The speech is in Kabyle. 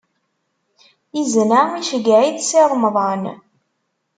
Izen-a iceyyeɛ-it Si Remḍan